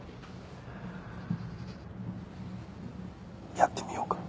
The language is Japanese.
やってみようか。